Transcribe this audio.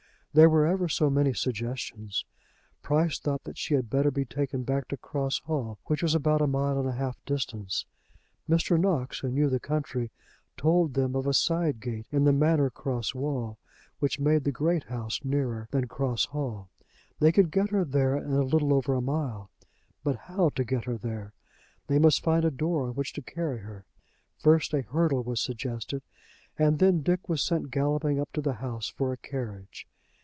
There were ever so many suggestions. Price thought that she had better be taken back to Cross Hall, which was about a mile and a half distant. Mr. Knox, who knew the country, told them of a side gate in the Manor Cross wall, which made the great house nearer than Cross Hall. They could get her there in little over a mile. But how to get her there? They must find a door on which to carry her. First a hurdle was suggested, and then Dick was sent galloping up to the house for a carriage.